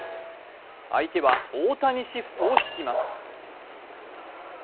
相手は大谷シフトを敷きます。